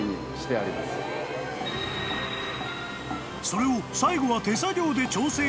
［それを最後は］